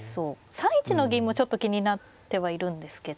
３一の銀もちょっと気になってはいるんですけど。